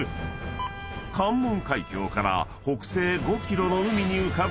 ［関門海峡から北西５ｋｍの海に浮かぶ離島］